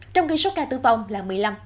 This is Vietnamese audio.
trong khi số ca tử vong là một mươi năm